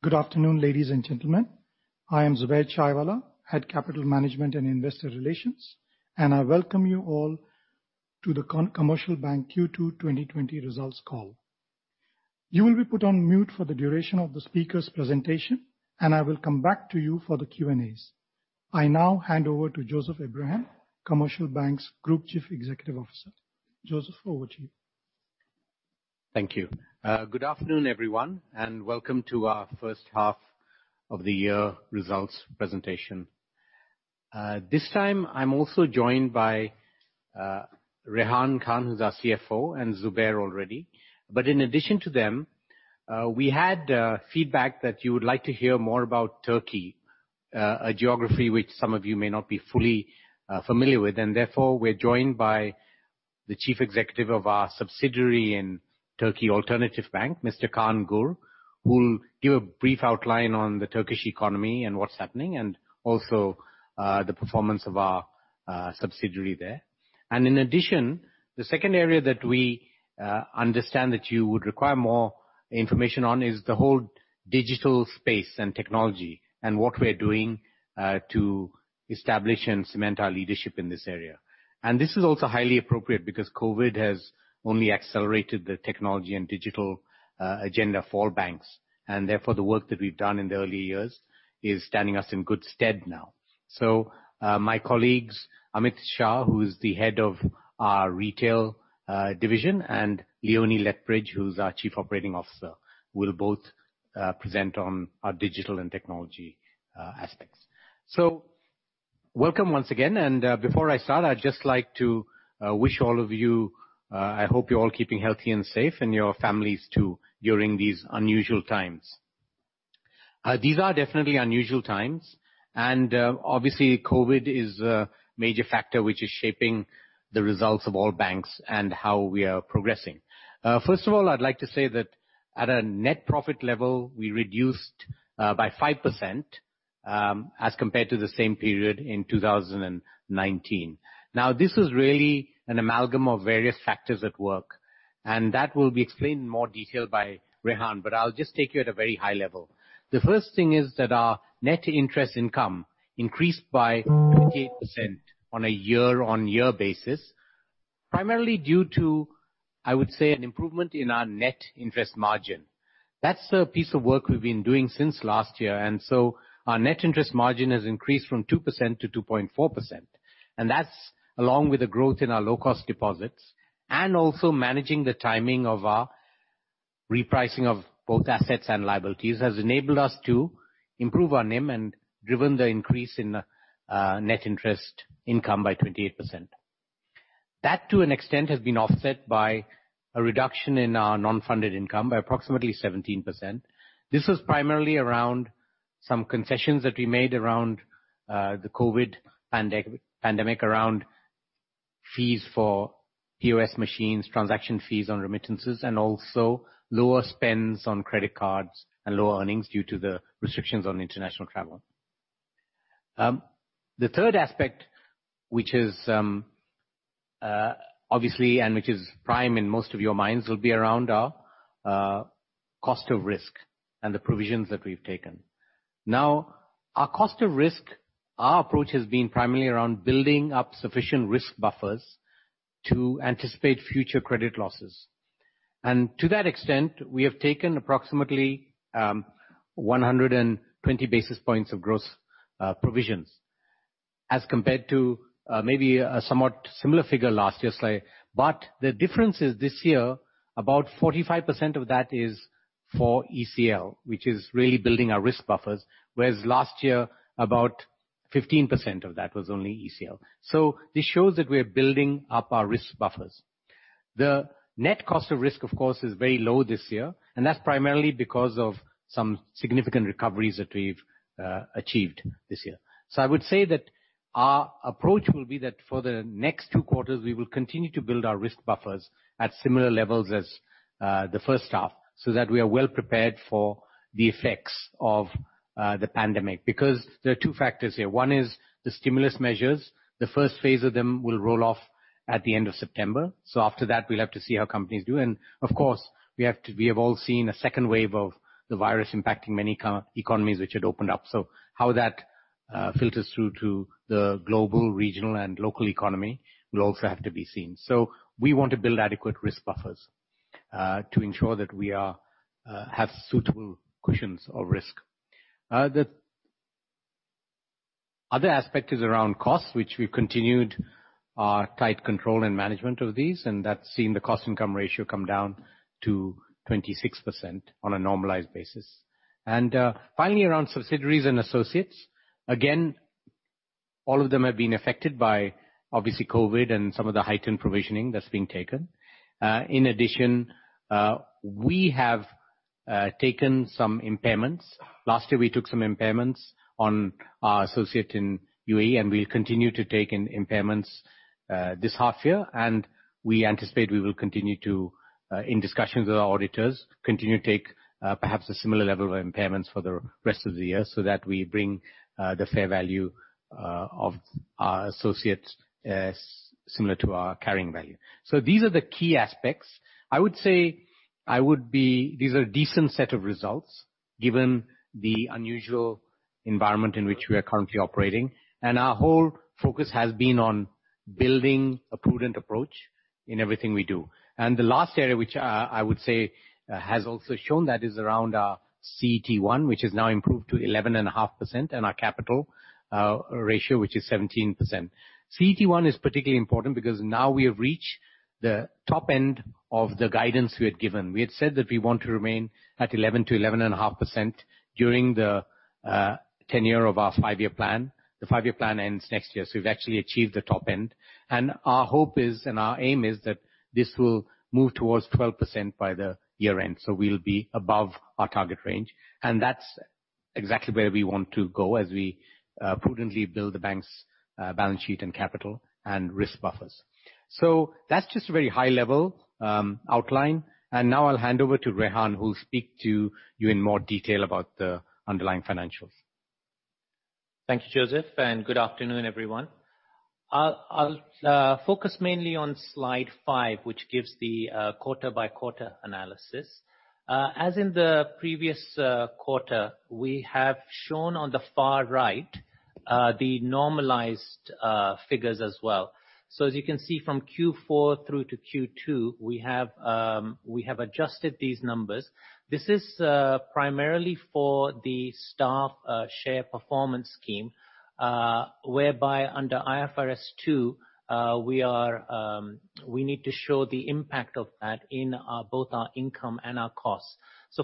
Good afternoon, ladies and gentlemen. I am Zubair Chaiwalla, Head Capital Management and Investor Relations. I welcome you all to the Commercial Bank Q2 2020 results call. You will be put on mute for the duration of the speaker's presentation, and I will come back to you for the Q&As. I now hand over to Joseph Abraham, Commercial Bank's Group Chief Executive Officer. Joseph, over to you. Thank you. Good afternoon, everyone. Welcome to our first half of the year results presentation. This time I'm also joined by Rehan Khan, who's our CFO, and Zubair already. In addition to them, we had feedback that you would like to hear more about Turkey, a geography which some of you may not be fully familiar with. Therefore, we're joined by the Chief Executive of our subsidiary in Turkey Alternatif Bank, Mr. Kaan Gür, who will give a brief outline on the Turkish economy and what's happening, and also the performance of our subsidiary there. In addition, the second area that we understand that you would require more information on is the whole digital space and technology and what we're doing to establish and cement our leadership in this area. This is also highly appropriate because COVID has only accelerated the technology and digital agenda for all banks. Therefore, the work that we've done in the early years is standing us in good stead now. My colleagues, Amit Sah, who is the Head of our Retail Division, and Leonie Lethbridge, who's our Chief Operating Officer, will both present on our digital and technology aspects. Welcome once again. Before I start, I'd just like to wish all of you, I hope you're all keeping healthy and safe and your families, too, during these unusual times. These are definitely unusual times. Obviously, COVID is a major factor which is shaping the results of all banks and how we are progressing. First of all, I'd like to say that at a net profit level, we reduced by 5% as compared to the same period in 2019. This is really an amalgam of various factors at work. That will be explained in more detail by Rehan, but I'll just take you at a very high level. The first thing is that our net interest income increased by 28% on a year-on-year basis, primarily due to, I would say, an improvement in our net interest margin. That's a piece of work we've been doing since last year. Our net interest margin has increased from 2% to 2.4%. That's along with the growth in our low-cost deposits and also managing the timing of our repricing of both assets and liabilities has enabled us to improve our NIM and driven the increase in net interest income by 28%. That, to an extent, has been offset by a reduction in our non-funded income by approximately 17%. This was primarily around some concessions that we made around the COVID pandemic, around fees for POS machines, transaction fees on remittances, and also lower spends on credit cards and lower earnings due to the restrictions on international travel. The third aspect, which is obviously and which is prime in most of your minds, will be around our cost of risk and the provisions that we've taken. Our cost of risk, our approach has been primarily around building up sufficient risk buffers to anticipate future credit losses. To that extent, we have taken approximately 120 basis points of gross provisions as compared to maybe a somewhat similar figure last year. But the difference is this year, about 45% of that is for ECL, which is really building our risk buffers, whereas last year about 15% of that was only ECL. This shows that we are building up our risk buffers. The net cost of risk, of course, is very low this year, and that's primarily because of some significant recoveries that we've achieved this year. I would say that our approach will be that for the next two quarters, we will continue to build our risk buffers at similar levels as the first half, so that we are well prepared for the effects of the pandemic. Because there are two factors here. One is the stimulus measures. The first phase of them will roll off at the end of September. After that, we'll have to see how companies do. Of course, we have all seen a second wave of the virus impacting many economies which had opened up. How that filters through to the global, regional, and local economy will also have to be seen. We want to build adequate risk buffers, to ensure that we have suitable cushions of risk. The other aspect is around costs, which we've continued our tight control and management of these, and that's seen the cost income ratio come down to 26% on a normalized basis. Finally, around subsidiaries and associates. Again, all of them have been affected by obviously COVID and some of the heightened provisioning that's been taken. In addition, we have taken some impairments. Last year, we took some impairments on our associate in U.A.E., and we'll continue to take impairments this half year. We anticipate we will continue to, in discussions with our auditors, continue to take perhaps a similar level of impairments for the rest of the year so that we bring the fair value of our associates similar to our carrying value. These are the key aspects. I would say these are a decent set of results given the unusual environment in which we are currently operating. Our whole focus has been on building a prudent approach in everything we do. The last area, which I would say has also shown that is around our CET1, which has now improved to 11.5%, and our capital ratio, which is 17%. CET1 is particularly important because now we have reached the top end of the guidance we had given. We had said that we want to remain at 11%-11.5% during the tenure of our five-year plan. The five-year plan ends next year, so we've actually achieved the top end. Our hope is, and our aim is that this will move towards 12% by the year-end. We'll be above our target range, and that's exactly where we want to go as we prudently build the bank's balance sheet and capital and risk buffers. That's just a very high-level outline, and now I'll hand over to Rehan, who'll speak to you in more detail about the underlying financials. Thank you, Joseph, and good afternoon, everyone. I'll focus mainly on slide five, which gives the quarter-by-quarter analysis. As in the previous quarter, we have shown on the far right the normalized figures as well. As you can see from Q4 through to Q2, we have adjusted these numbers. This is primarily for the staff share performance scheme, whereby under IFRS 2, we need to show the impact of that in both our income and our costs.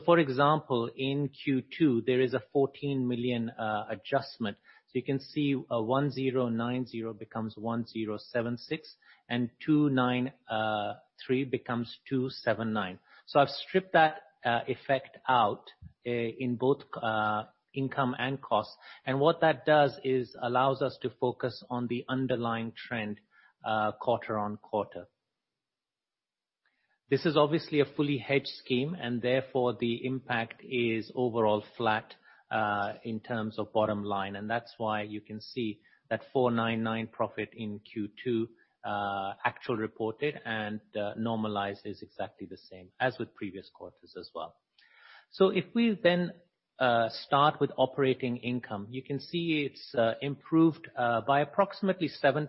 For example, in Q2, there is a 14 million adjustment. You can see 1,090 becomes 1,076, and 293 becomes 279. I've stripped that effect out in both income and costs. And what that does is allows us to focus on the underlying trend quarter-on-quarter. This is obviously a fully hedged scheme, and therefore, the impact is overall flat, in terms of bottom line, and that's why you can see that 499 profit in Q2, actual reported and normalized, is exactly the same as with previous quarters as well. If we then start with operating income. You can see it's improved by approximately 7%,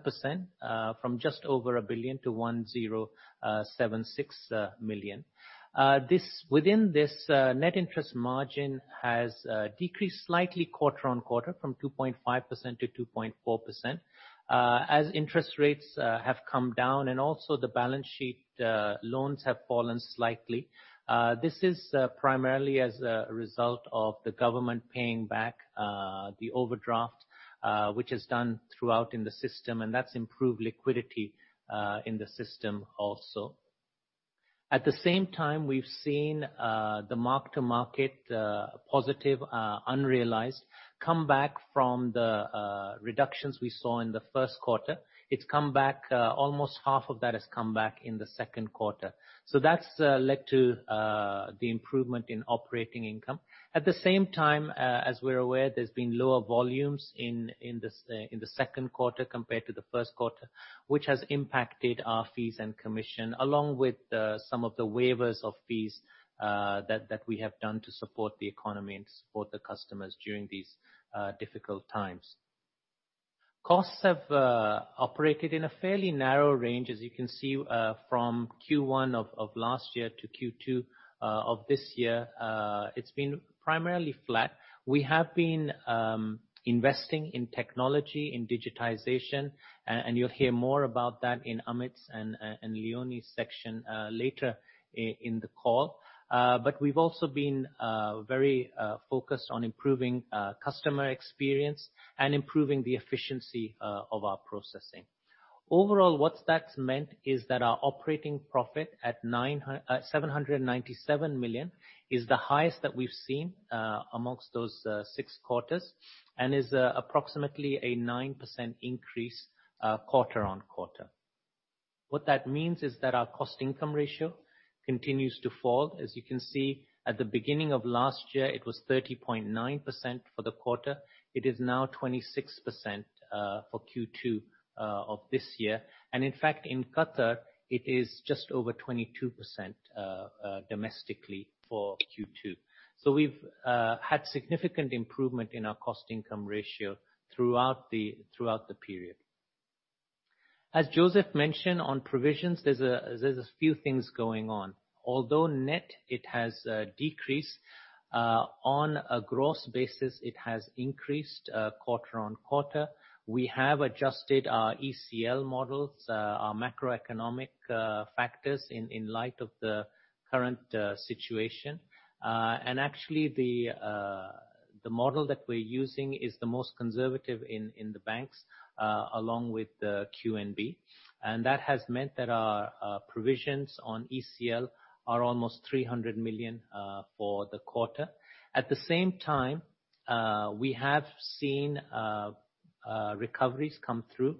from just over 1 billion, to 1,076 million. Within this net interest margin has decreased slightly quarter-on-quarter from 2.5%-2.4%. As interest rates have come down and also the balance sheet loans have fallen slightly. This is primarily as a result of the government paying back the overdraft, which is done throughout in the system, and that's improved liquidity, in the system also. At the same time, we've seen the mark-to-market positive unrealized come back from the reductions we saw in the first quarter. Almost half of that has come back in the second quarter. That's led to the improvement in operating income. At the same time, as we're aware, there's been lower volumes in the second quarter compared to the first quarter, which has impacted our fees and commission, along with some of the waivers of fees that we have done to support the economy and to support the customers during these difficult times. Costs have operated in a fairly narrow range, as you can see, from Q1 of last year to Q2 of this year. It's been primarily flat. We have been investing in technology, in digitization, and you'll hear more about that in Amit's and Leonie's section later in the call. We've also been very focused on improving customer experience and improving the efficiency of our processing. Overall, what that's meant is that our operating profit at 797 million is the highest that we've seen amongst those six quarters and is approximately a 9% increase quarter-on-quarter. What that means is that our cost income ratio continues to fall. As you can see, at the beginning of last year, it was 30.9% for the quarter. It is now 26% for Q2 of this year. In fact, in Qatar, it is just over 22% domestically for Q2. We've had significant improvement in our cost income ratio throughout the period. As Joseph mentioned on provisions, there's a few things going on. Although net it has decreased, on a gross basis, it has increased quarter-on-quarter. We have adjusted our ECL models, our macroeconomic factors in light of the current situation. Actually, the model that we're using is the most conservative in the banks, along with QNB. That has meant that our provisions on ECL are almost 300 million for the quarter. At the same time, we have seen recoveries come through.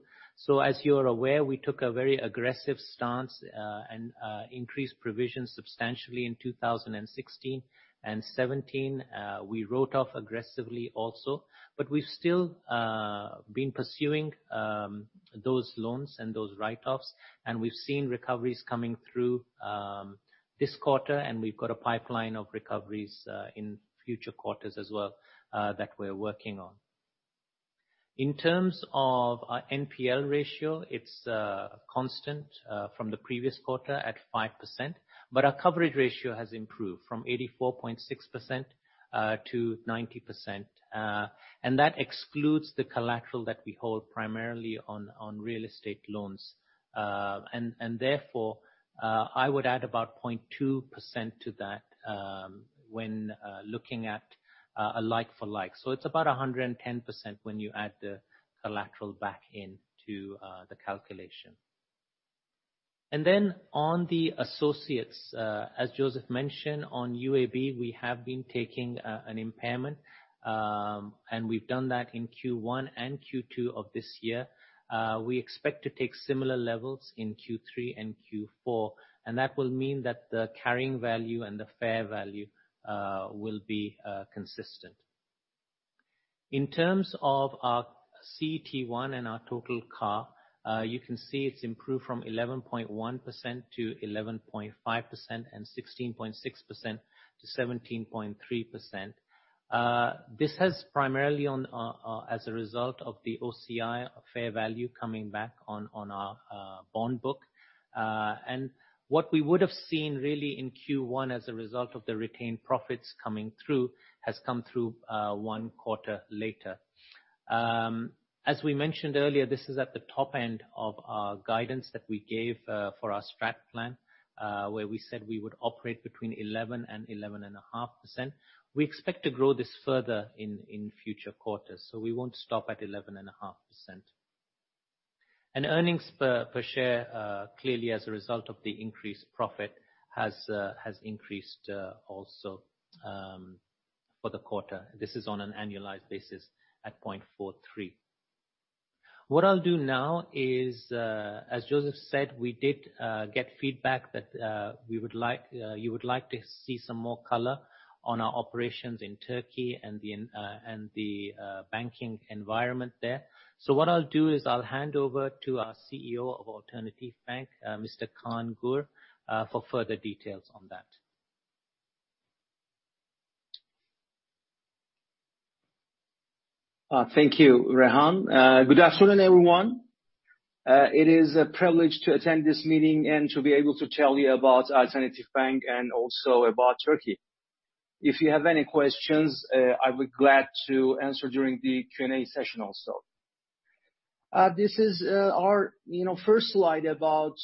As you're aware, we took a very aggressive stance, and increased provisions substantially in 2016 and 2017. We wrote off aggressively also, we've still been pursuing those loans and those write-offs, and we've seen recoveries coming through this quarter, and we've got a pipeline of recoveries in future quarters as well that we're working on. In terms of our NPL ratio, it's constant from the previous quarter at 5%, our coverage ratio has improved from 84.6%-90%. That excludes the collateral that we hold primarily on real estate loans. Therefore, I would add about 0.2% to that when looking at a like-for-like. It's about 110% when you add the collateral back into the calculation. On the associates, as Joseph mentioned, on UAB, we have been taking an impairment, and we've done that in Q1 and Q2 of this year. We expect to take similar levels in Q3 and Q4, and that will mean that the carrying value and the fair value will be consistent. In terms of our CET1 and our total CAR, you can see it's improved from 11.1%-11.5%, and 16.6%-17.3%. This has primarily as a result of the OCI fair value coming back on our bond book. What we would have seen really in Q1 as a result of the retained profits coming through, has come through one quarter later. As we mentioned earlier, this is at the top end of our guidance that we gave for our strat plan, where we said we would operate between 11 and 11.5%. We expect to grow this further in future quarters, we won't stop at 11.5%. Earnings per share, clearly as a result of the increased profit, has increased also for the quarter. This is on an annualized basis at 0.43. What I'll do now is, as Joseph said, we did get feedback that you would like to see some more color on our operations in Turkey and the banking environment there. What I'll do is I'll hand over to our CEO of Alternatif Bank, Mr. Kaan Gür, for further details on that. Thank you, Rehan. Good afternoon, everyone. It is a privilege to attend this meeting and to be able to tell you about Alternatif Bank and also about Turkey. If you have any questions, I'll be glad to answer during the Q&A session also. This is our first slide about,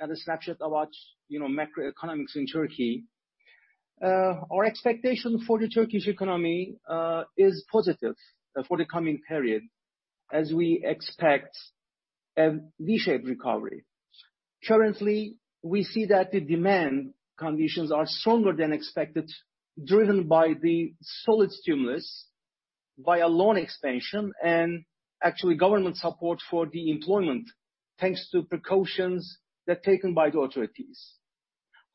and a snapshot about macroeconomics in Turkey. Our expectation for the Turkish economy is positive for the coming period, as we expect a V-shaped recovery. Currently, we see that the demand conditions are stronger than expected, driven by the solid stimulus, by a loan expansion, and actually government support for the employment, thanks to precautions that are taken by the authorities.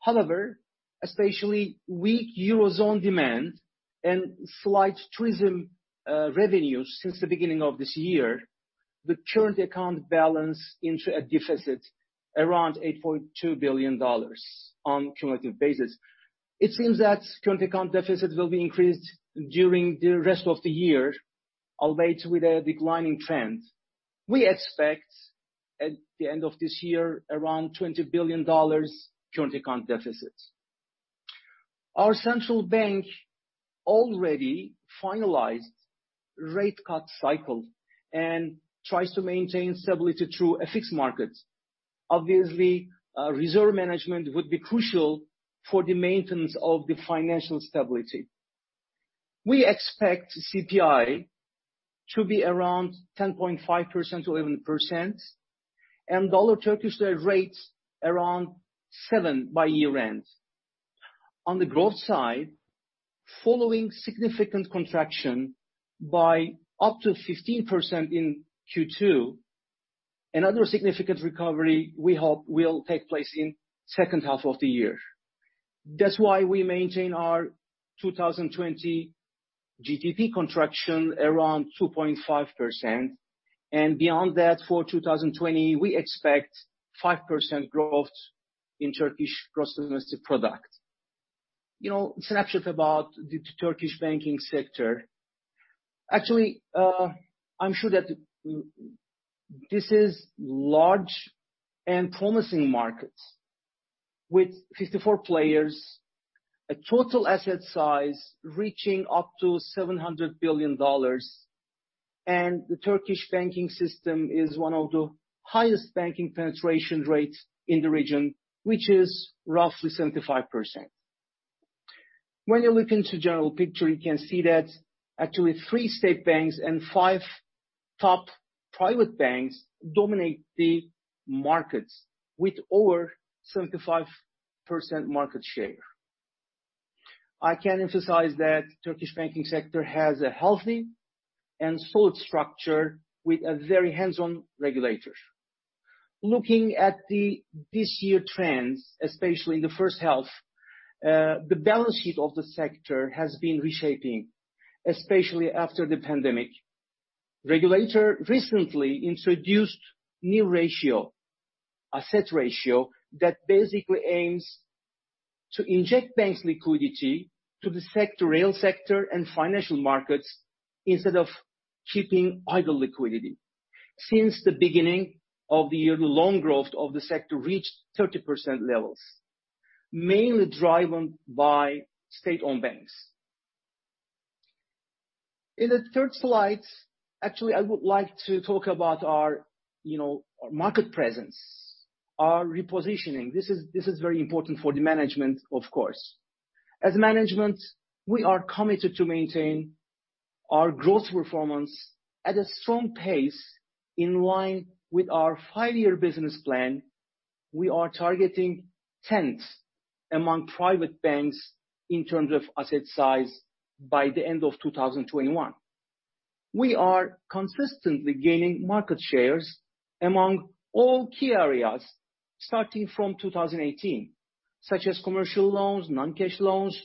However, especially weak eurozone demand and slight tourism revenues since the beginning of this year, the current account balance into a deficit around $8.2 billion on cumulative basis. It seems that current account deficits will be increased during the rest of the year, albeit with a declining trend. We expect, at the end of this year, around $20 billion current account deficits. Our central bank already finalized rate cut cycle and tries to maintain stability through a fixed market. Reserve management would be crucial for the maintenance of the financial stability. We expect CPI to be around 10.5%-11%, and dollar Turkish lira rates around seven by year-end. On the growth side, following significant contraction by up to 15% in Q2, another significant recovery we hope will take place in second half of the year. That's why we maintain our 2020 GDP contraction around 2.5%, and beyond that, for 2020, we expect 5% growth in Turkish gross domestic product. Snapshot about the Turkish banking sector. Actually, I'm sure that this is large and promising market, with 54 players, a total asset size reaching up to $700 billion. The Turkish banking system is one of the highest banking penetration rates in the region, which is roughly 75%. When you look into general picture, you can see that actually three state banks and five top private banks dominate the markets with over 75% market share. I can emphasize that Turkish banking sector has a healthy and solid structure with a very hands-on regulator. Looking at this year trends, especially in the first half, the balance sheet of the sector has been reshaping, especially after the pandemic. Regulator recently introduced new ratio, asset ratio, that basically aims to inject banks' liquidity to the real sector and financial markets instead of keeping idle liquidity. Since the beginning of the year, the loan growth of the sector reached 30% levels, mainly driven by state-owned banks. In the third slide, actually, I would like to talk about our market presence, our repositioning. This is very important for the management, of course. As management, we are committed to maintain our growth performance at a strong pace in line with our five-year business plan. We are targeting 10th among private banks in terms of asset size by the end of 2021. We are consistently gaining market shares among all key areas starting from 2018, such as commercial loans, non-cash loans.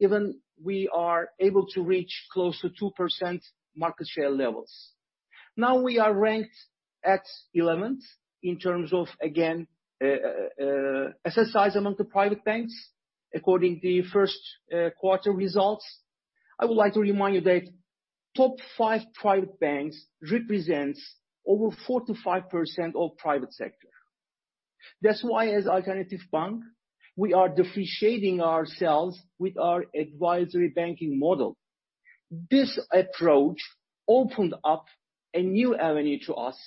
Even we are able to reach close to 2% market share levels. Now we are ranked at 11th in terms of, again, asset size among the private banks according to first quarter results. I would like to remind you that top 5 private banks represents over 45% of private sector. As Alternatif Bank, we are differentiating ourselves with our advisory banking model. This approach opened up a new avenue to us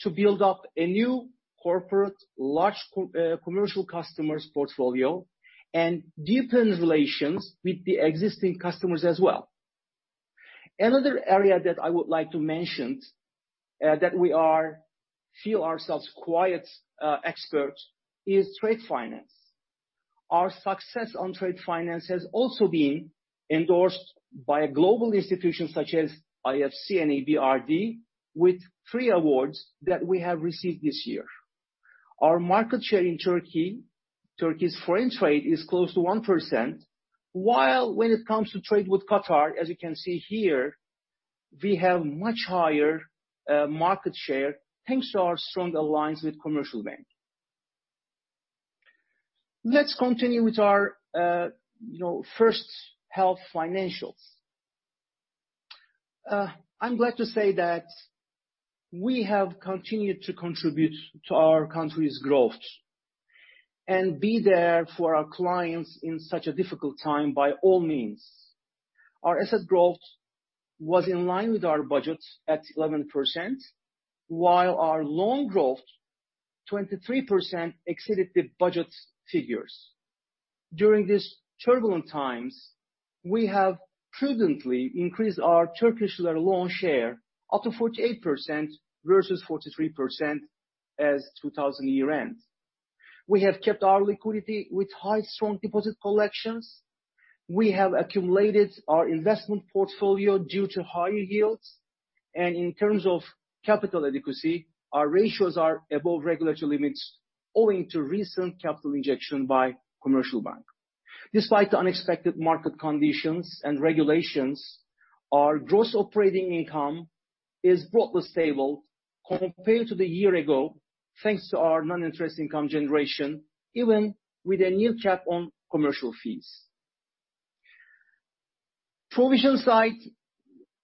to build up a new corporate large commercial customers portfolio and deepens relations with the existing customers as well. Another area that I would like to mention that we feel ourselves quite experts is trade finance. Our success on trade finance has also been endorsed by a global institution such as IFC and EBRD with three awards that we have received this year. Our market share in Turkey's foreign trade is close to 1%, while when it comes to trade with Qatar, as you can see here, we have much higher market share, thanks to our strong alliance with Commercial Bank. Let's continue with our first half financials. I'm glad to say that we have continued to contribute to our country's growth and be there for our clients in such a difficult time by all means. Our asset growth was in line with our budget at 11%, while our loan growth, 23% exceeded the budget figures. During these turbulent times, we have prudently increased our Turkish lira loan share up to 48% versus 43% as 2000 year ends. We have kept our liquidity with high strong deposit collections. We have accumulated our investment portfolio due to higher yields. In terms of capital adequacy, our ratios are above regulatory limits owing to recent capital injection by Commercial Bank. Despite the unexpected market conditions and regulations, our gross operating income is broadly stable compared to the year ago, thanks to our non-interest income generation, even with a new cap on commercial fees. Provision side,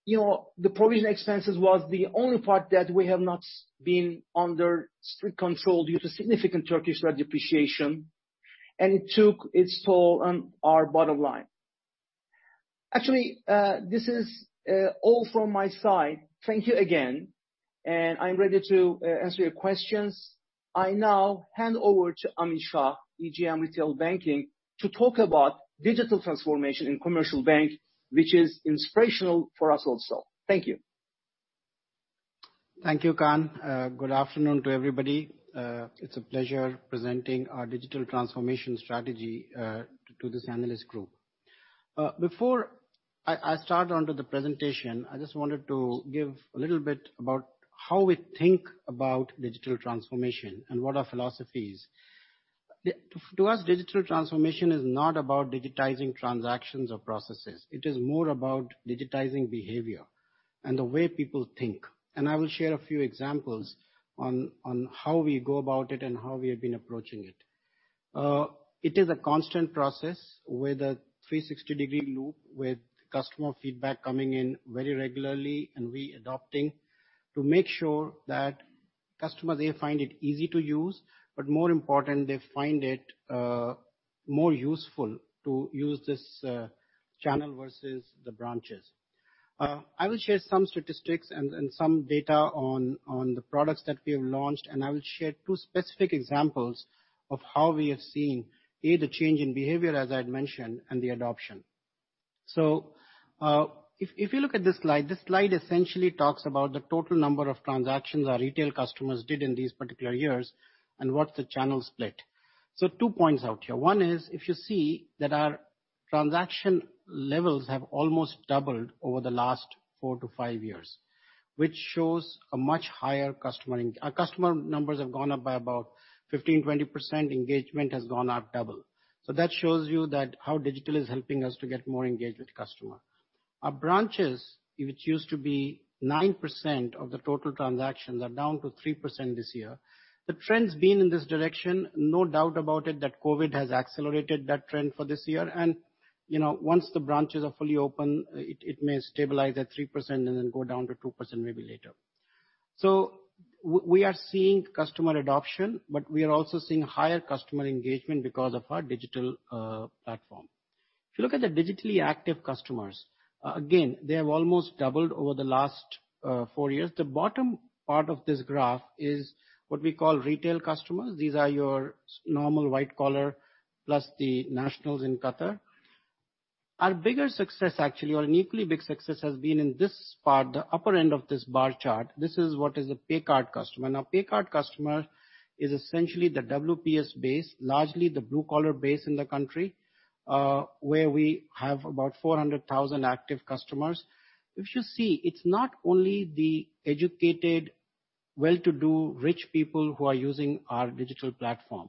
the provision expenses was the only part that we have not been under strict control due to significant Turkish lira depreciation, and it took its toll on our bottom line. Actually, this is all from my side. Thank you again, and I'm ready to answer your questions. I now hand over to Amit Sah, EGM Retail Banking, to talk about digital transformation in Commercial Bank, which is inspirational for us also. Thank you. Thank you, Kaan. Good afternoon to everybody. It's a pleasure presenting our digital transformation strategy to this analyst group. Before I start onto the presentation, I just wanted to give a little bit about how we think about digital transformation and what our philosophy is. To us, digital transformation is not about digitizing transactions or processes. It is more about digitizing behavior and the way people think. I will share a few examples on how we go about it and how we have been approaching it. It is a constant process with a 360-degree loop, with customer feedback coming in very regularly and we adopting to make sure that customers, they find it easy to use, but more important, they find it more useful to use this channel versus the branches. I will share some statistics and some data on the products that we have launched, and I will share two specific examples of how we have seen either change in behavior, as I had mentioned, and the adoption. If you look at this slide, this slide essentially talks about the total number of transactions our retail customers did in these particular years and what's the channel split. Two points out here. One is, if you see that our transaction levels have almost doubled over the last 4 to 5 years, which shows a much higher customer. Our customer numbers have gone up by about 15%-20%. Engagement has gone up double. That shows you that how digital is helping us to get more engaged with customer. Our branches, which used to be 9% of the total transactions, are down to 3% this year. The trend's been in this direction. No doubt about it that COVID has accelerated that trend for this year and once the branches are fully open, it may stabilize at 3% and then go down to 2%, maybe later. We are seeing customer adoption, but we are also seeing higher customer engagement because of our digital platform. If you look at the digitally active customers, again, they have almost doubled over the last 4 years. The bottom part of this graph is what we call retail customers. These are your normal white collar, plus the nationals in Qatar. Our bigger success actually, or an equally big success, has been in this part, the upper end of this bar chart. This is what is a pay card customer. pay card customer is essentially the WPS base, largely the blue-collar base in the country, where we have about 400,000 active customers. If you see, it's not only the educated, well-to-do, rich people who are using our digital platform.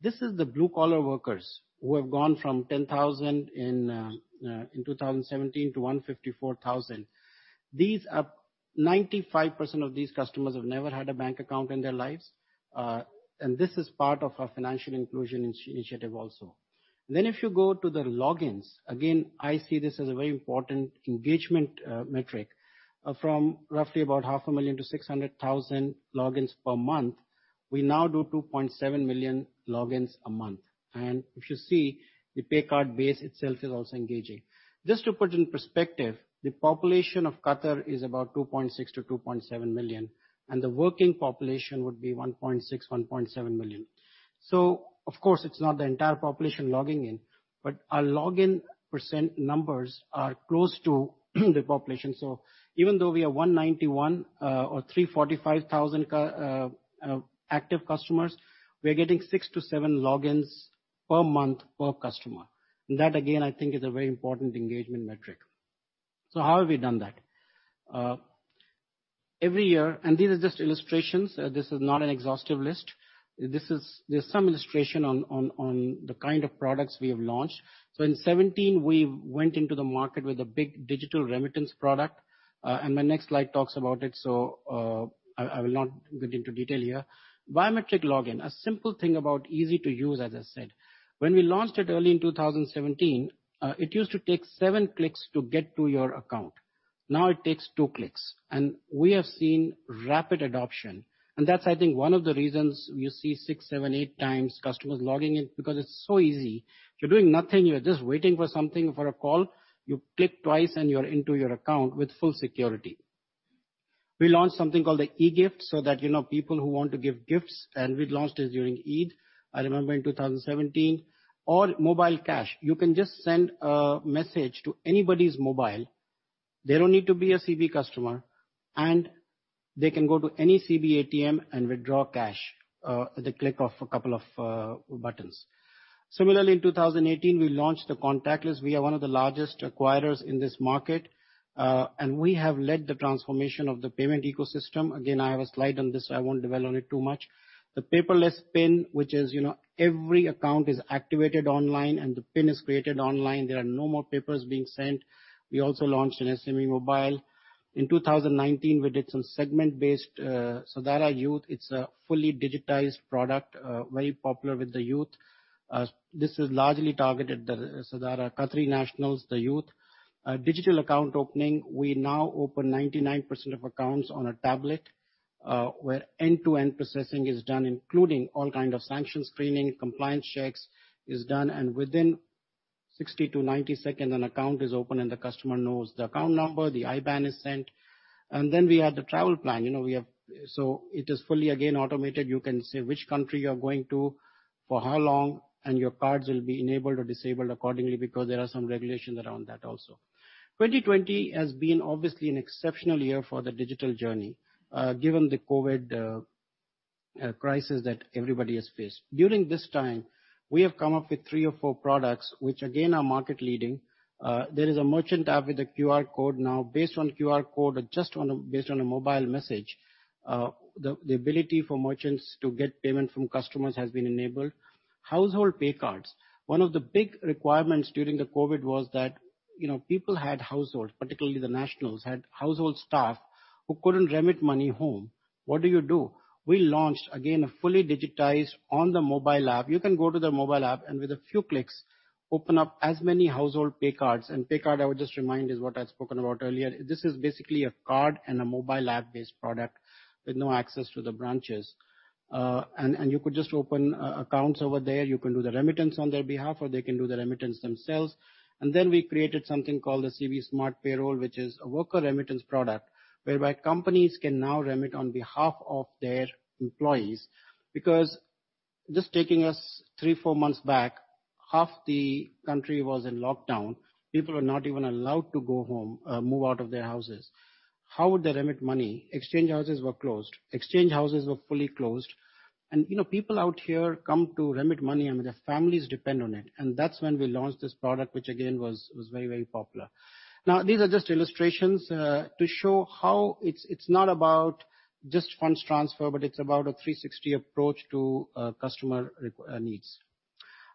This is the blue-collar workers who have gone from 10,000 in 2017 to 154,000. 95% of these customers have never had a bank account in their lives. This is part of our financial inclusion initiative also. If you go to the logins, again, I see this as a very important engagement metric. From roughly about 0.5 million to 600,000 logins per month, we now do 2.7 million logins a month. If you see, the pay card base itself is also engaging. Just to put it in perspective, the population of Qatar is about 2.6 million-2.7 million, and the working population would be 1.6 million-1.7 million. Of course, it's not the entire population logging in, but our login percent numbers are close to the population. Even though we are 191, or 345,000 active customers, we are getting 6 to 7 logins per month per customer. That, again, I think is a very important engagement metric. How have we done that? Every year, these are just illustrations, this is not an exhaustive list. There's some illustration on the kind of products we have launched. In 2017, we went into the market with a big digital remittance product. My next slide talks about it, I will not get into detail here. Biometric login, a simple thing about easy to use, as I said. When we launched it early in 2017, it used to take seven clicks to get to your account. Now it takes two clicks. We have seen rapid adoption. That's, I think, one of the reasons you see six, seven, eight times customers logging in because it's so easy. If you're doing nothing, you're just waiting for something, for a call, you click twice and you're into your account with full security. We launched something called the e-Gift so that people who want to give gifts, we launched it during Eid, I remember, in 2017. Mobile cash. You can just send a message to anybody's mobile. They don't need to be a CB customer. They can go to any CB ATM and withdraw cash, at the click of a couple of buttons. Similarly, in 2018, we launched the contactless. We are one of the largest acquirers in this market. We have led the transformation of the payment ecosystem. Again, I have a slide on this, so I won't dwell on it too much. The paperless PIN, which is every account is activated online and the PIN is created online. There are no more papers being sent. We also launched an SME mobile. In 2019, we did some segment-based Sadara Youth. It's a fully digitized product, very popular with the youth. This was largely targeted the Sadara Qatari nationals, the youth. Digital account opening. We now open 99% of accounts on a tablet, where end-to-end processing is done, including all kind of sanction screening, compliance checks is done, and within 60-90 seconds an account is open and the customer knows the account number, the IBAN is sent. We had the travel plan. It is fully, again, automated. You can say which country you are going to, for how long, and your cards will be enabled or disabled accordingly because there are some regulations around that also. 2020 has been obviously an exceptional year for the digital journey, given the COVID crisis that everybody has faced. During this time, we have come up with three or four products, which again, are market leading. There is a merchant app with a QR code now. Based on QR code or just based on a mobile message, the ability for merchants to get payment from customers has been enabled. Household pay cards. One of the big requirements during the COVID was that people had households, particularly the nationals, had household staff who couldn't remit money home. What do you do? We launched, again, a fully digitized on the mobile app. You can go to the mobile app, with a few clicks, open up as many household pay cards. Pay card, I would just remind, is what I'd spoken about earlier. This is basically a card and a mobile app-based product with no access to the branches. You could just open accounts over there. You can do the remittance on their behalf, or they can do the remittance themselves. We created something called the CB SMART Payroll, which is a worker remittance product whereby companies can now remit on behalf of their employees. Just taking us three, four months back, half the country was in lockdown. People were not even allowed to go home, move out of their houses. How would they remit money? Exchange houses were closed. Exchange houses were fully closed. People out here come to remit money, their families depend on it. That's when we launched this product, which again was very, very popular. These are just illustrations, to show how it's not about just funds transfer, but it's about a 360 approach to customer needs.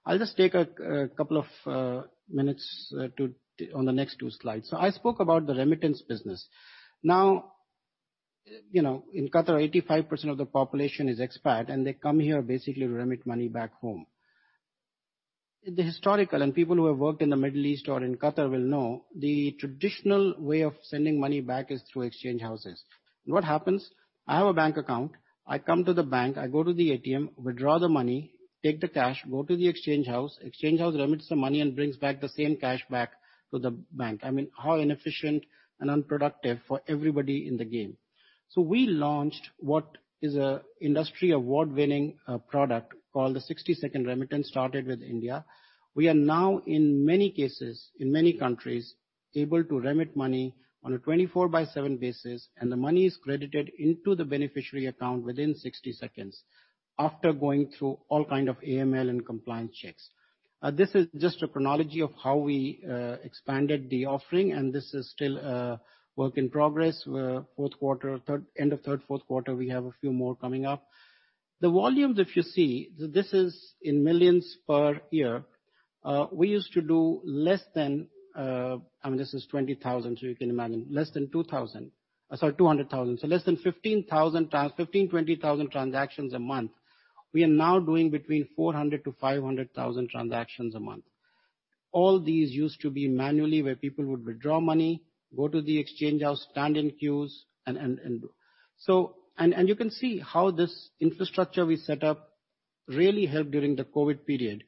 I'll just take a couple of minutes on the next two slides. I spoke about the remittance business. In Qatar, 85% of the population is expat, and they come here basically to remit money back home. The historical, and people who have worked in the Middle East or in Qatar will know, the traditional way of sending money back is through exchange houses. What happens, I have a bank account, I come to the bank, I go to the ATM, withdraw the money, take the cash, go to the exchange house, exchange house remits the money and brings back the same cash back to the bank. How inefficient and unproductive for everybody in the game. We launched what is an industry award-winning product called the 60-Second Remittance, started with India. We are now, in many cases, in many countries, able to remit money on a 24/7 basis, and the money is credited into the beneficiary account within 60 seconds after going through all kinds of AML and compliance checks. This is just a chronology of how we expanded the offering, and this is still a work in progress. End of third, fourth quarter, we have a few more coming up. The volumes, if you see, this is in millions per year. We used to do less than, this is 20,000, so you can imagine. Less than 2,000. Sorry, 200,000. Less than 15,000, 20,000 transactions a month. We are now doing between 400,000-500,000 transactions a month. All these used to be manually where people would withdraw money, go to the exchange house, stand in queues. You can see how this infrastructure we set up really helped during the COVID period.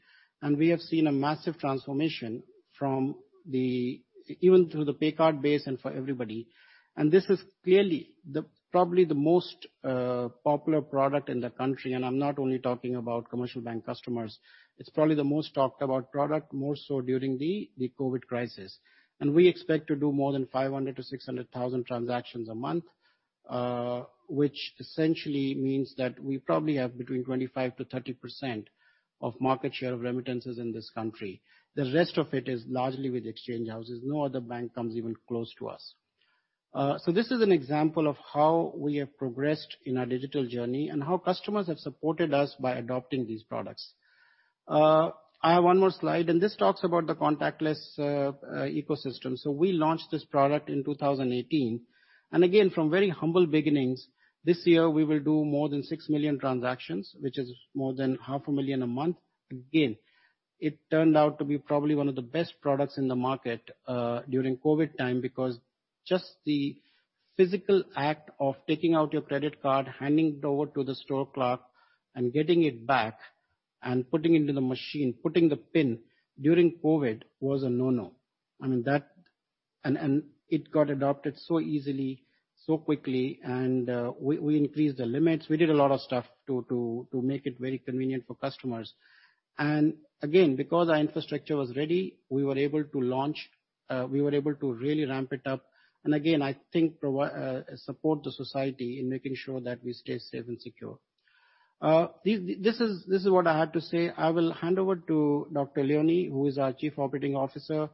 We have seen a massive transformation even through the pay card base and for everybody. This was clearly probably the most popular product in the country. I'm not only talking about Commercial Bank customers. It's probably the most talked about product, more so during the COVID crisis. We expect to do more than 500,000-600,000 transactions a month, which essentially means that we probably have between 25%-30% of market share of remittances in this country. The rest of it is largely with exchange houses. No other bank comes even close to us. This is an example of how we have progressed in our digital journey and how customers have supported us by adopting these products. I have one more slide. This talks about the contactless ecosystem. We launched this product in 2018. Again, from very humble beginnings, this year we will do more than 6 million transactions, which is more than half a million a month. Again, it turned out to be probably one of the best products in the market during COVID time because just the physical act of taking out your credit card, handing it over to the store clerk and getting it back and putting into the machine, putting the PIN, during COVID was a no-no. It got adopted so easily, so quickly, and we increased the limits. We did a lot of stuff to make it very convenient for customers. Again, because our infrastructure was ready, we were able to launch, we were able to really ramp it up. Again, I think support the society in making sure that we stay safe and secure. This is what I had to say. I will hand over to Dr Leonie, who is our Chief Operating Officer.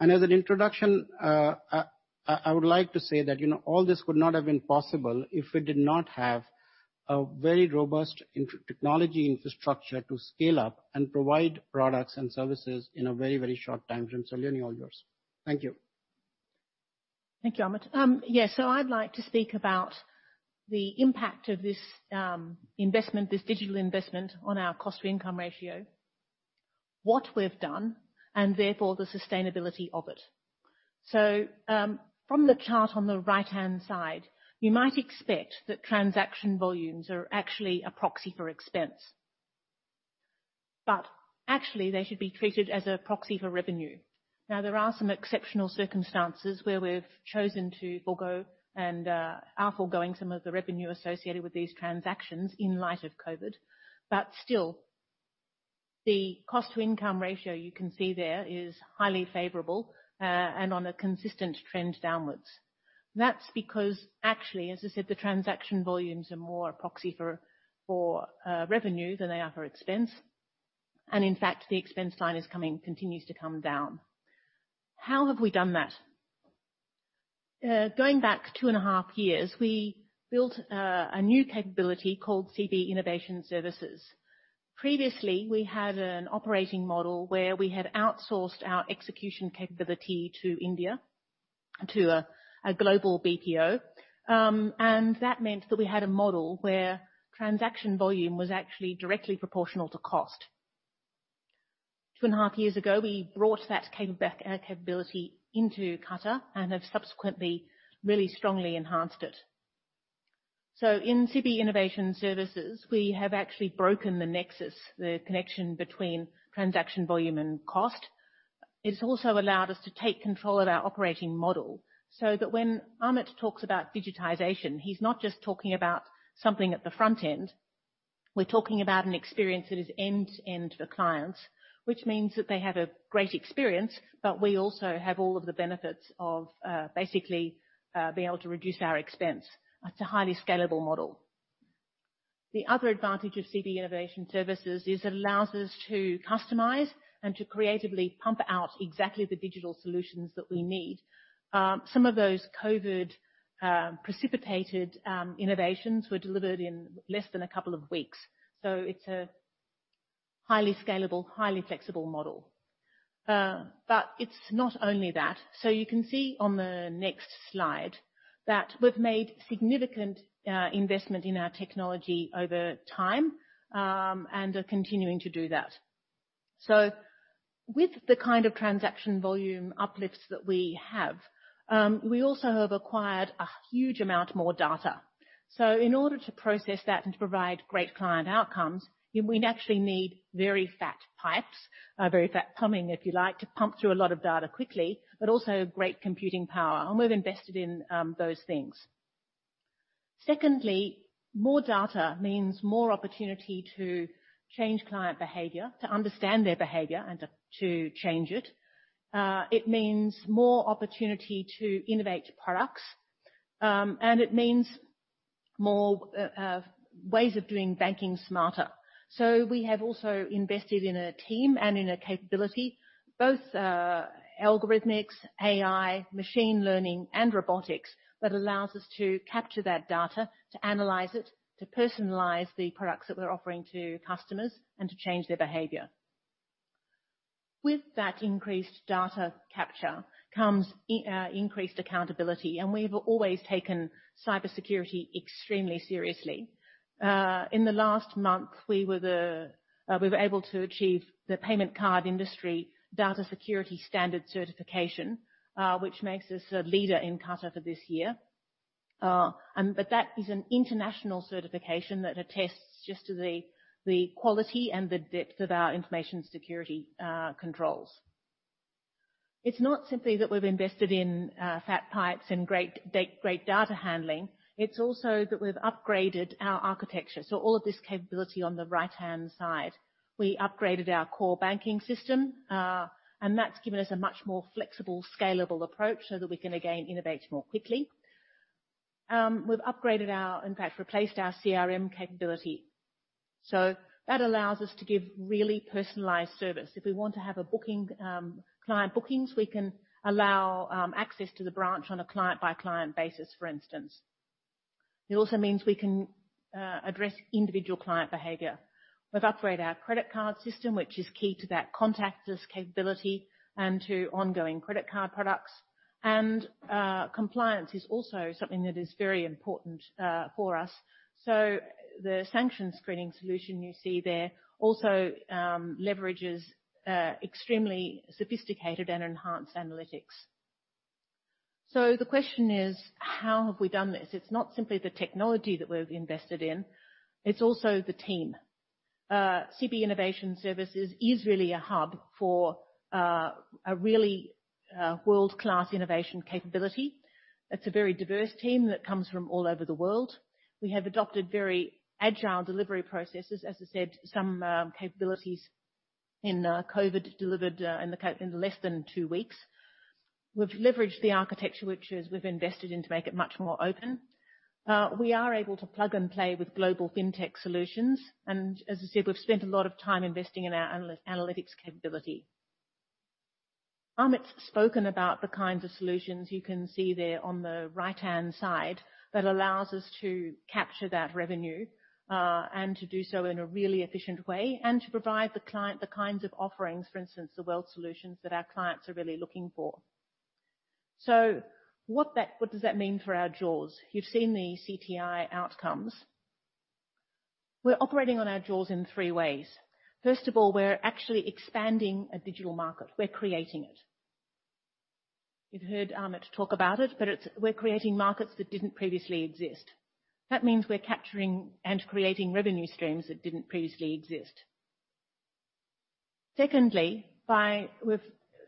As an introduction, I would like to say that all this would not have been possible if we did not have a very robust technology infrastructure to scale up and provide products and services in a very short timeframe. Leonie, all yours. Thank you. Thank you, Amit. Yeah. I'd like to speak about the impact of this digital investment on our cost to income ratio, what we've done, and therefore the sustainability of it. From the chart on the right-hand side, you might expect that transaction volumes are actually a proxy for expense. Actually, they should be treated as a proxy for revenue. Now, there are some exceptional circumstances where we've chosen to forego and are foregoing some of the revenue associated with these transactions in light of COVID. Still, the cost to income ratio, you can see there is highly favorable, and on a consistent trend downwards. That's because, actually, as I said, the transaction volumes are more a proxy for revenue than they are for expense. In fact, the expense line continues to come down. How have we done that? Going back two and a half years, we built a new capability called CB Innovation Services. Previously, we had an operating model where we had outsourced our execution capability to India, to a global BPO. That meant that we had a model where transaction volume was actually directly proportional to cost. Two and a half years ago, we brought that capability into Qatar and have subsequently really strongly enhanced it. In CB Innovation Services, we have actually broken the nexus, the connection between transaction volume and cost. It has also allowed us to take control of our operating model, so that when Amit talks about digitization, he's not just talking about something at the front end. We're talking about an experience that is end-to-end for clients, which means that they have a great experience, but we also have all of the benefits of basically being able to reduce our expense at a highly scalable model. The other advantage of CB Innovation Services is it allows us to customize and to creatively pump out exactly the digital solutions that we need. Some of those COVID precipitated innovations were delivered in less than a couple of weeks. It's a highly scalable, highly flexible model. It's not only that. You can see on the next slide that we've made significant investment in our technology over time and are continuing to do that. With the kind of transaction volume uplifts that we have, we also have acquired a huge amount more data. In order to process that and to provide great client outcomes, we actually need very fat pipes, very fat plumbing, if you like, to pump through a lot of data quickly, but also great computing power. We've invested in those things. Secondly, more data means more opportunity to change client behavior, to understand their behavior, and to change it. It means more opportunity to innovate products, and it means more ways of doing banking smarter. We have also invested in a team and in a capability, both algorithmics, AI, machine learning, and robotics, that allows us to capture that data, to analyze it, to personalize the products that we're offering to customers, and to change their behavior. With that increased data capture comes increased accountability, and we've always taken cybersecurity extremely seriously. In the last month, we were able to achieve the Payment Card Industry Data Security Standard certification, which makes us a leader in Qatar for this year. That is an international certification that attests just to the quality and the depth of our information security controls. It's not simply that we've invested in fat pipes and great data handling, it's also that we've upgraded our architecture. All of this capability on the right-hand side. We upgraded our core banking system, and that's given us a much more flexible, scalable approach so that we can, again, innovate more quickly. We've upgraded our, in fact, replaced our CRM capability. That allows us to give really personalized service. If we want to have client bookings, we can allow access to the branch on a client-by-client basis, for instance. It also means we can address individual client behavior. We've upgraded our credit card system, which is key to that contactless capability and to ongoing credit card products. Compliance is also something that is very important for us. The sanction screening solution you see there also leverages extremely sophisticated and enhanced analytics. The question is, how have we done this? It's not simply the technology that we've invested in. It's also the team. CB Innovation Services is really a hub for a really world-class innovation capability. It's a very diverse team that comes from all over the world. We have adopted very agile delivery processes. As I said, some capabilities in COVID delivered in less than two weeks. We've leveraged the architecture, which we've invested in to make it much more open. We are able to plug and play with global fintech solutions. As I said, we've spent a lot of time investing in our analytics capability. Amit's spoken about the kinds of solutions you can see there on the right-hand side that allows us to capture that revenue, and to do so in a really efficient way, and to provide the client the kinds of offerings, for instance, the wealth solutions that our clients are really looking for. What does that mean for our jaws? You've seen the CTI outcomes. We're operating on our jaws in three ways. First of all, we're actually expanding a digital market. We're creating it. You've heard Amit talk about it, but we're creating markets that didn't previously exist. That means we're capturing and creating revenue streams that didn't previously exist. Secondly,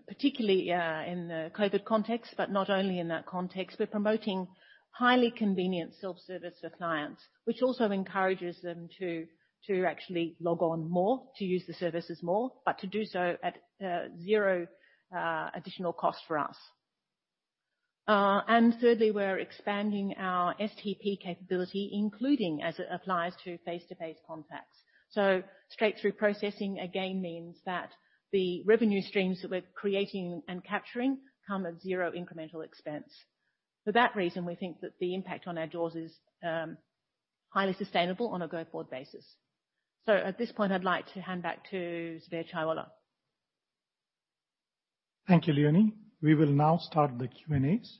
particularly in the COVID context, but not only in that context, we're promoting highly convenient self-service for clients, which also encourages them to actually log on more, to use the services more, but to do so at zero additional cost for us. Thirdly, we're expanding our STP capability, including as it applies to face-to-face contacts. Straight-through processing, again, means that the revenue streams that we're creating and capturing come at zero incremental expense. For that reason, we think that the impact on our jaws is highly sustainable on a go-forward basis. At this point, I'd like to hand back to Sudhir Chaiwala. Thank you, Leonie. We will now start the Q&As.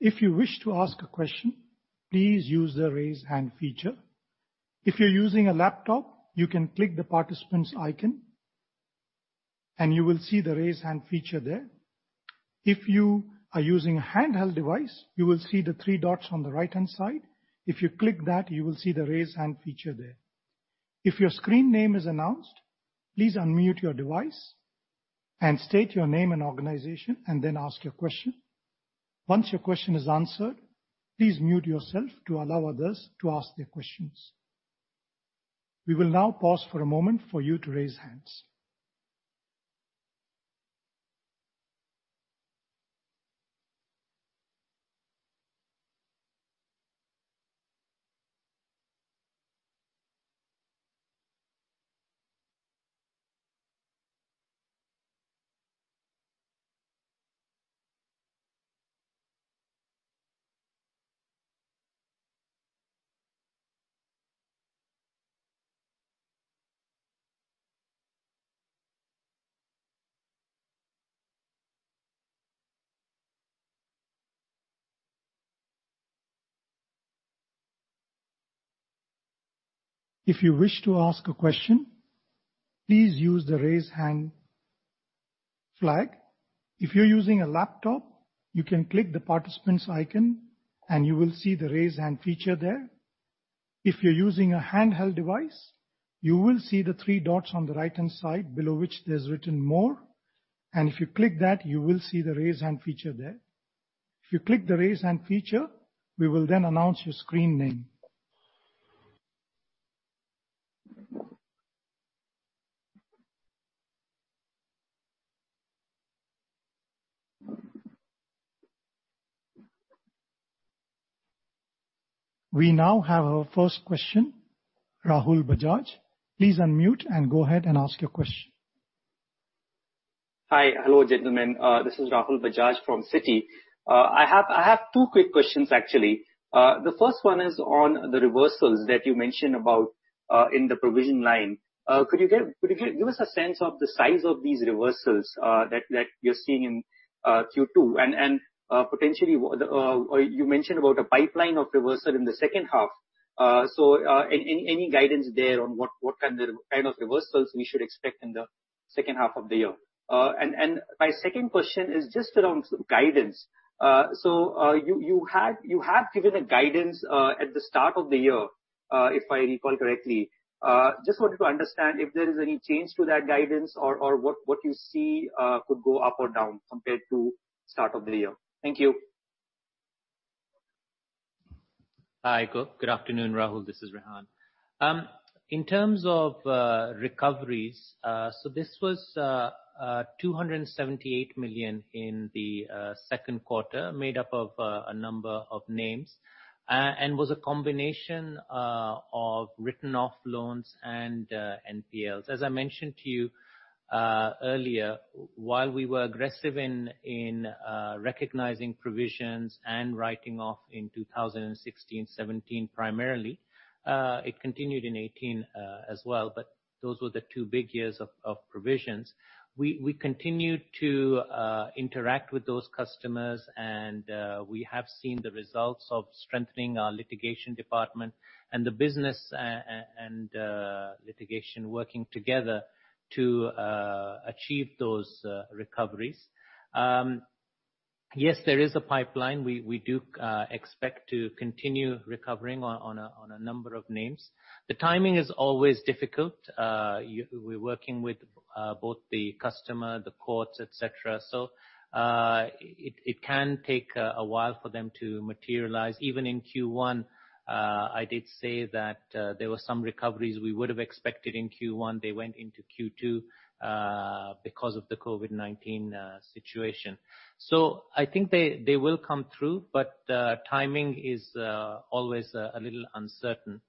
If you wish to ask a question, please use the raise hand feature. If you're using a laptop, you can click the participants icon, and you will see the raise hand feature there. If you are using a handheld device, you will see the three dots on the right-hand side. If you click that, you will see the raise hand feature there. If your screen name is announced, please unmute your device and state your name and organization, and then ask your question. Once your question is answered, please mute yourself to allow others to ask their questions. We will now pause for a moment for you to raise hands. If you wish to ask a question, please use the raise hand flag. If you're using a laptop, you can click the participants icon and you will see the raise hand feature there. If you're using a handheld device, you will see the three dots on the right-hand side below which there's written more, and if you click that, you will see the raise hand feature there. If you click the raise hand feature, we will then announce your screen name. We now have our first question. Rahul Bajaj, please unmute and go ahead and ask your question. Hi. Hello, gentlemen. This is Rahul Bajaj from Citi. I have two quick questions, actually. The first one is on the reversals that you mentioned about in the provision line. Could you give us a sense of the size of these reversals that you're seeing in Q2? Potentially, you mentioned about a pipeline of reversal in the second half. Any guidance there on what kind of reversals we should expect in the second half of the year? My second question is just around guidance. You have given a guidance at the start of the year, if I recall correctly. Just wanted to understand if there is any change to that guidance or what you see could go up or down compared to start of the year. Thank you. Hi. Good afternoon, Rahul. This is Rehan. In terms of recoveries, this was 278 million in the second quarter, made up of a number of names, and was a combination of written-off loans and NPLs. As I mentioned to you earlier, while we were aggressive in recognizing provisions and writing off in 2016, 2017, primarily, it continued in 2018 as well, but those were the two big years of provisions. We continued to interact with those customers, and we have seen the results of strengthening our litigation department and the business and litigation working together to achieve those recoveries. Yes, there is a pipeline. We do expect to continue recovering on a number of names. The timing is always difficult. We're working with both the customer, the courts, et cetera. It can take a while for them to materialize. Even in Q1, I did say that there were some recoveries we would have expected in Q1. They went into Q2 because of the COVID-19 situation. I think they will come through, but timing is always a little uncertain.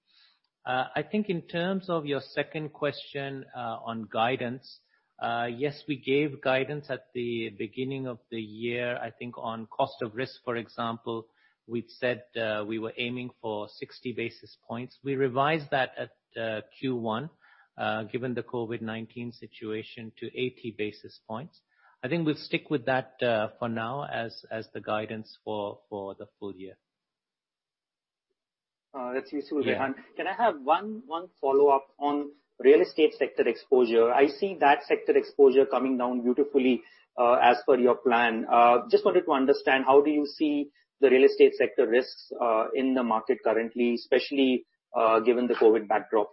I think in terms of your second question on guidance, yes, we gave guidance at the beginning of the year. I think on cost of risk, for example, we'd said we were aiming for 60 basis points. We revised that at Q1, given the COVID-19 situation, to 80 basis points. I think we'll stick with that for now as the guidance for the full year. That's useful, Rehan. Yeah. Can I have one follow-up on real estate sector exposure? I see that sector exposure coming down beautifully as per your plan. Just wanted to understand, how do you see the real estate sector risks in the market currently, especially given the COVID backdrop?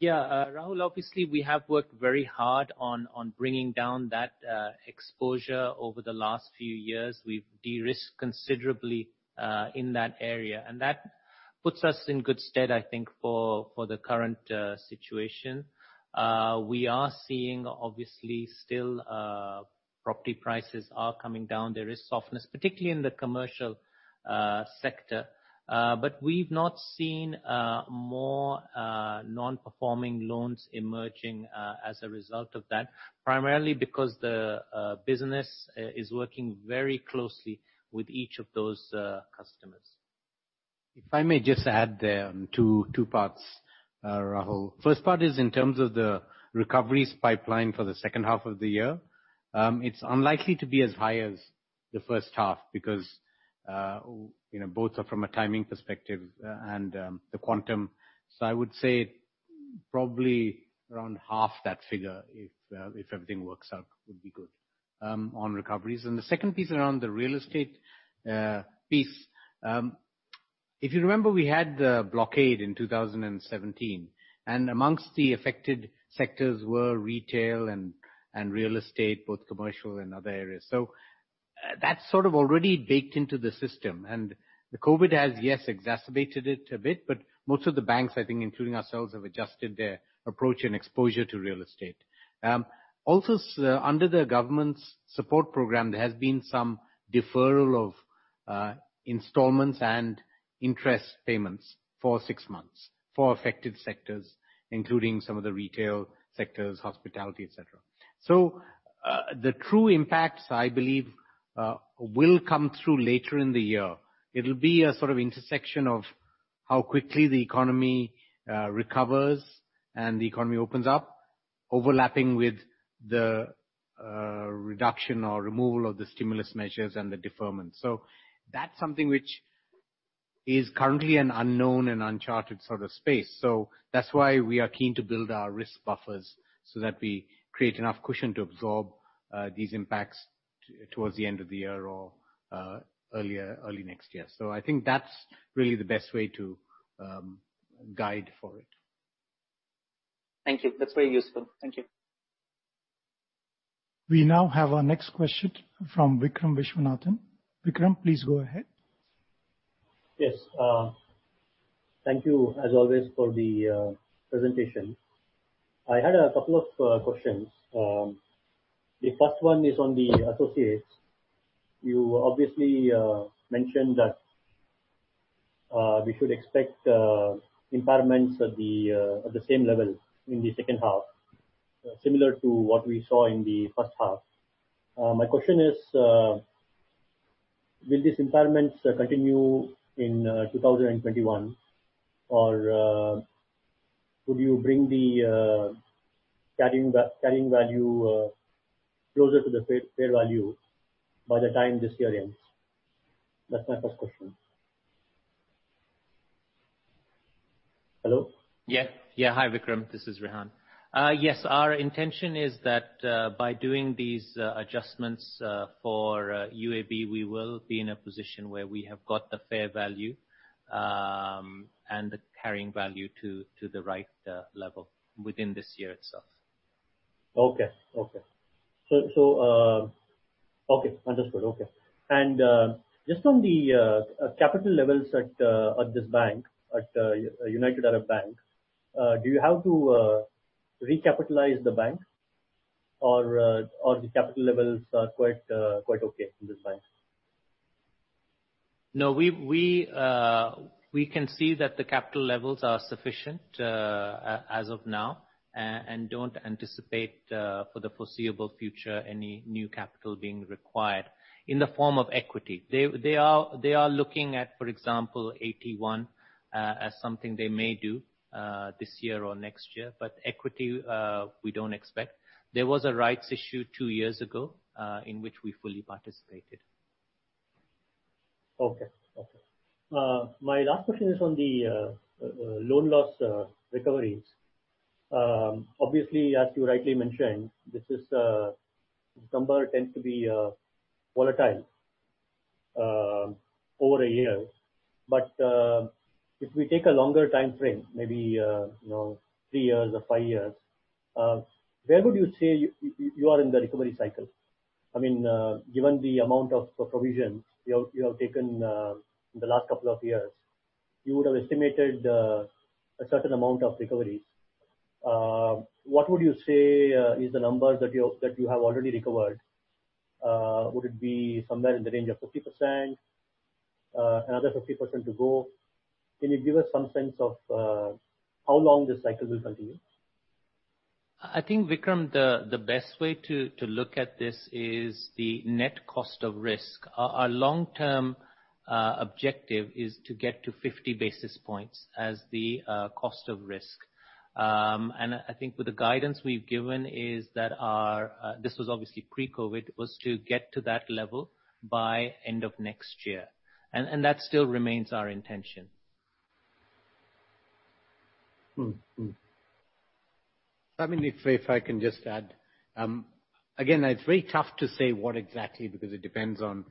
Rahul, obviously, we have worked very hard on bringing down that exposure over the last few years. We've de-risked considerably in that area, and that puts us in good stead, I think, for the current situation. We are seeing, obviously, still property prices are coming down. There is softness, particularly in the commercial sector. We've not seen more non-performing loans emerging as a result of that, primarily because the business is working very closely with each of those customers. If I may just add there, 2 parts, Rahul. 1st part is in terms of the recoveries pipeline for the 2nd half of the year. It's unlikely to be as high as the 1st half because both are from a timing perspective and the quantum. I would say probably around half that figure, if everything works out, would be good on recoveries. The 2nd piece around the real estate piece. If you remember, we had the blockade in 2017, and amongst the affected sectors were retail and real estate, both commercial and other areas. That's sort of already baked into the system. The COVID has, yes, exacerbated it a bit, most of the banks, I think, including ourselves, have adjusted their approach and exposure to real estate. Also, under the government's support program, there has been some deferral of installments and interest payments for six months for affected sectors, including some of the retail sectors, hospitality, et cetera. The true impacts, I believe, will come through later in the year. It'll be a sort of intersection of how quickly the economy recovers and the economy opens up, overlapping with the reduction or removal of the stimulus measures and the deferment. That's something which is currently an unknown and uncharted sort of space. That's why we are keen to build our risk buffers so that we create enough cushion to absorb these impacts towards the end of the year or early next year. I think that's really the best way to guide for it. Thank you. That's very useful. Thank you. We now have our next question from Vikram Viswanathan. Vikram, please go ahead. Yes. Thank you, as always, for the presentation. I had a couple of questions. The first one is on the associates. You obviously mentioned that we should expect impairments at the same level in the second half, similar to what we saw in the first half. My question is, will these impairments continue in 2021, or could you bring the carrying value closer to the fair value by the time this year ends? That's my first question. Hello? Yeah. Hi, Vikram. This is Rehan. Yes, our intention is that by doing these adjustments for UAB, we will be in a position where we have got the fair value and the carrying value to the right level within this year itself. Okay. Understood. Just on the capital levels at this bank, at United Arab Bank, do you have to recapitalize the bank or the capital levels are quite okay in this bank? No, we can see that the capital levels are sufficient as of now. Don't anticipate for the foreseeable future any new capital being required in the form of equity. They are looking at, for example, AT1 as something they may do this year or next year. Equity, we don't expect. There was a rights issue two years ago, in which we fully participated. Okay. My last question is on the loan loss recoveries. Obviously, as you rightly mentioned, this number tends to be volatile over a year. If we take a longer timeframe, maybe three years or five years, where would you say you are in the recovery cycle? Given the amount of provisions you have taken in the last couple of years, you would have estimated a certain amount of recoveries. What would you say is the number that you have already recovered? Would it be somewhere in the range of 50%? Another 50% to go? Can you give us some sense of how long this cycle will continue? I think, Vikram, the best way to look at this is the net cost of risk. Our long-term objective is to get to 50 basis points as the cost of risk. I think with the guidance we've given is that our, this was obviously pre-COVID, was to get to that level by end of next year. That still remains our intention. If I can just add. Again, it is very tough to say what exactly because it depends on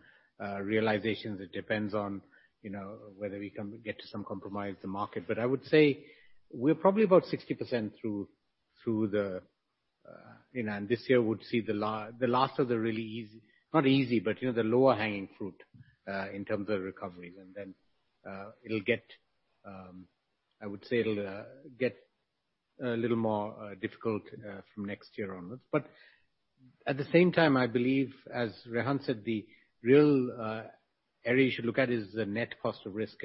realizations. It depends on whether we can get to some compromise, the market. I would say we are probably about 60% through, and this year would see the last of the really easy, not easy, but the lower hanging fruit in terms of recoveries. I would say it will get a little more difficult from next year onwards. At the same time, I believe, as Rehan said, the real area you should look at is the net cost of risk.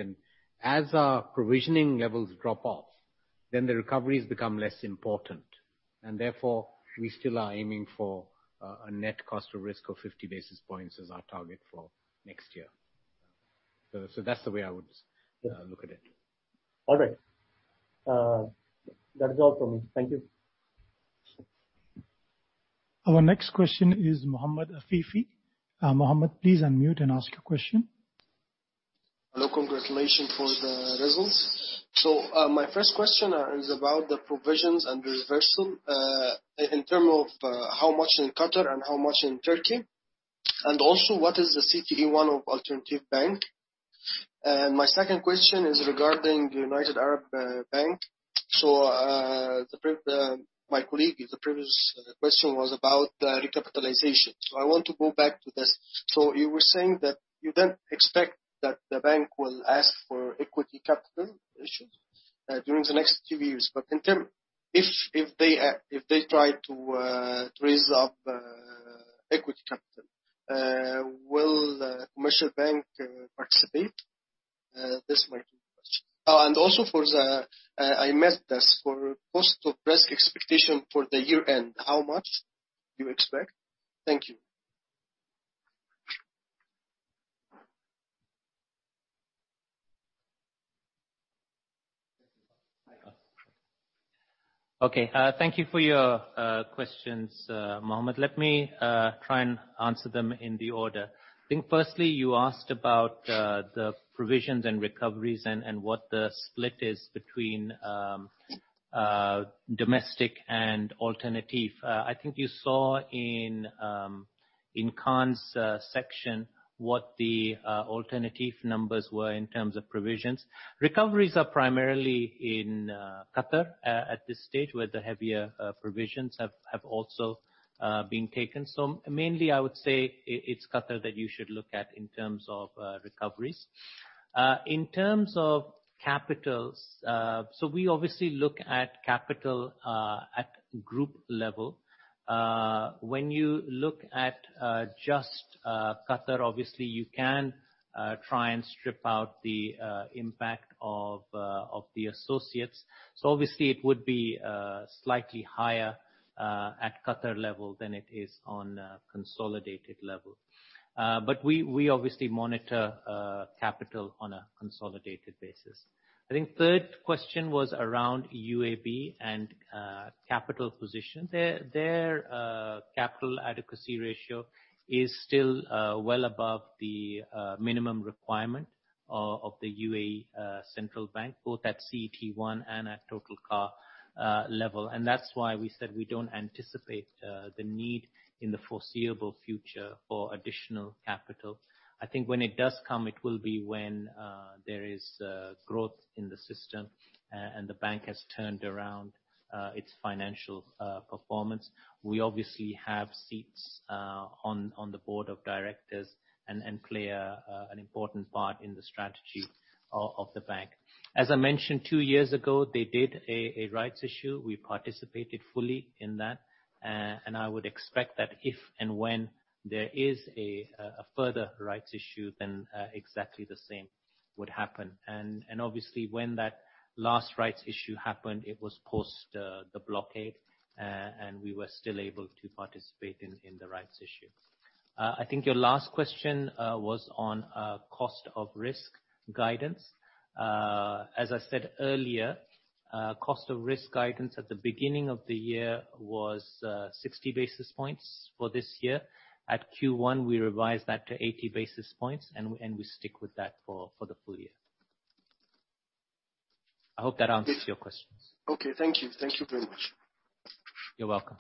As our provisioning levels drop off, then the recoveries become less important, therefore, we still are aiming for a net cost of risk of 50 basis points as our target for next year. That is the way I would look at it. All right. That is all from me. Thank you. Our next question is Mohammed Afifi. Mohammed, please unmute and ask your question. Hello. Congratulations for the results. My first question is about the provisions and reversal, in terms of how much in Qatar and how much in Turkey. Also, what is the CET1 of Alternatif Bank. My second question is regarding United Arab Bank. My colleague, the previous question was about recapitalization. I want to go back to this. You were saying that you do not expect that the bank will ask for equity capital issues during the next two years. If they try to raise up equity capital, will Commercial Bank participate? This is my question. I missed this, for cost of risk expectation for the year-end, how much you expect? Thank you. Okay. Thank you for your questions, Mohammed. Let me try and answer them in order. I think firstly, you asked about the provisions and recoveries and what the split is between domestic and Alternatif. I think you saw in Kaan's section what the Alternatif numbers were in terms of provisions. Recoveries are primarily in Qatar at this stage, where the heavier provisions have also been taken. Mainly, I would say it's Qatar that you should look at in terms of recoveries. In terms of capitals, we obviously look at capital at group level. When you look at just Qatar, obviously you can try and strip out the impact of the associates. Obviously it would be slightly higher at Qatar level than it is on a consolidated level. We obviously monitor capital on a consolidated basis. I think third question was around UAB and capital position. Their capital adequacy ratio is still well above the minimum requirement of the UAE Central Bank, both at CET1 and at total CAR level. That's why we said we don't anticipate the need in the foreseeable future for additional capital. I think when it does come, it will be when there is growth in the system and the bank has turned around its financial performance. We obviously have seats on the board of directors and play an important part in the strategy of the bank. As I mentioned, two years ago, they did a rights issue. We participated fully in that. I would expect that if and when there is a further rights issue, then exactly the same would happen. Obviously when that last rights issue happened, it was post the blockade, and we were still able to participate in the rights issue. I think your last question was on cost of risk guidance. As I said earlier, cost of risk guidance at the beginning of the year was 60 basis points for this year. At Q1, we revised that to 80 basis points. We stick with that for the full year. I hope that answers your questions. Okay. Thank you. Thank you very much. You're welcome.